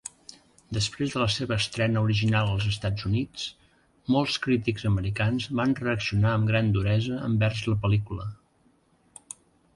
Després de la seva estrena original als Estats Units, molts crítics americans van reaccionar amb gran duresa envers la pel·lícula.